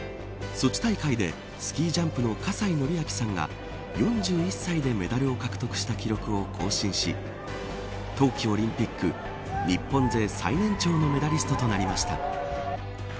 ソチ大会でスキージャンプの葛西紀明さんが４１歳でメダルを獲得した記録を更新し冬季オリンピック日本勢、最年長のメダリストとなりました。